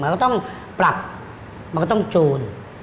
มันก็ต้องปรับมันก็ต้องจูน